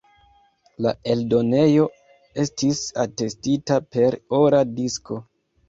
La eldonejo estis atestita per ora disko.